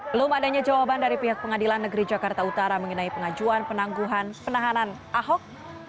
belum adanya jawaban dari pihak pengadilan negeri jakarta utara mengenai pengajuan penangguhan penahanan ahok